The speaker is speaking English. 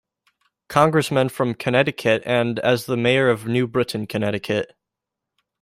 Congressman from Connecticut, and as the mayor of New Britain, Connecticut.